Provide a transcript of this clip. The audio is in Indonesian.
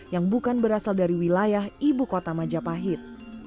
yang bukan berasal dari wilayah ibu kota majapahit